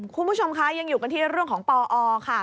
คุณผู้ชมคะยังอยู่กันที่เรื่องของปอค่ะ